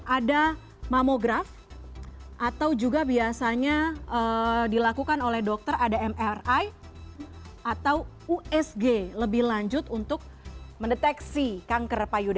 ada mamograf atau juga biasanya dilakukan oleh dokter ada mri atau usg lebih lanjut untuk mendeteksi kanker payudara